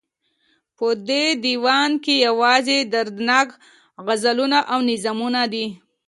په دې ديوان کې يوازې دردناک غزلونه او نظمونه دي